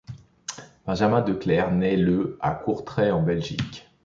Benjamin Declercq naît le à Courtrai en Belgique.